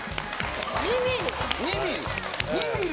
２ｍｍ。